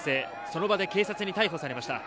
その場で警察に逮捕されました」